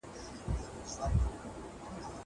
زه سیر کړی دی!